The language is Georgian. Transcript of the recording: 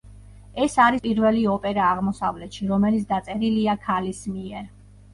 ეს არის პირველი ოპერა აღმოსავლეთში, რომელიც დაწერილია ქალის მიერ.